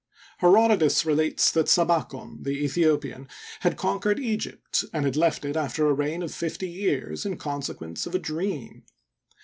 Herodotus relates that Sabikon, the Aethiopian, had conquered Egypt, and had left it after a reig^ of fifty years, in con sequence of a dream.